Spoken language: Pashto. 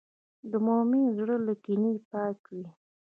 د مؤمن زړه له کینې پاک وي.